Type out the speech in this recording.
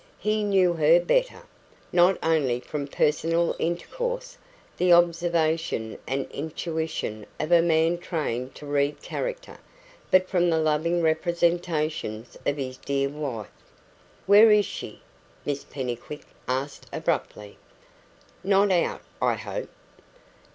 He knew HER better not only from personal intercourse, the observation and intuition of a man trained to read character, but from the loving representations of his dear wife. "Where is she?" Miss Pennycuick asked abruptly. "Not out, I hope?"